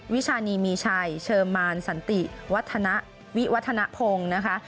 วิชานีมีชัยเชิมมารสันติวัฒนะวิวัฒนภงนะคะ